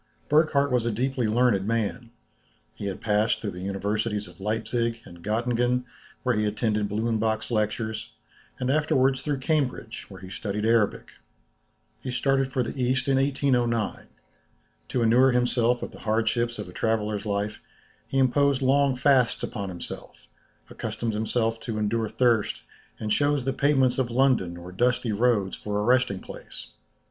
Burckhardt was a deeply learned man. He had passed through the universities of Leipzic, and Göttingen, where he attended Blumenbach's lectures, and afterwards through Cambridge, where he studied Arabic. He started for the East in 1809. To inure himself to the hardships of a traveller's life, he imposed long fasts upon himself, accustomed himself to endure thirst, and chose the pavements of London or dusty roads for a resting place.